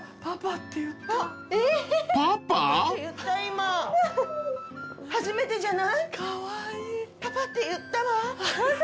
パパって言った今。